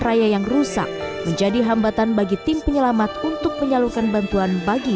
raya yang rusak menjadi hambatan bagi tim penyelamat untuk menyalurkan bantuan bagi